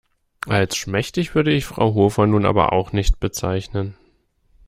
Als schmächtig würde ich Frau Hofer nun aber auch nicht bezeichnen.